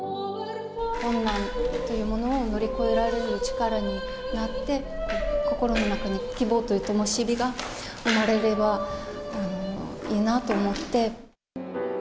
困難というものを乗り越えられる力になって、心の中に希望というともし火が生まれればいいなと思って。